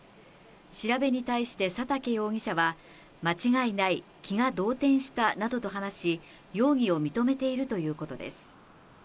調べに対して佐竹容疑者は間違いない気が動転したなどと話し容疑を認めているということです。